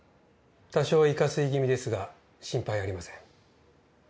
多少胃下垂気味ですが心配ありません。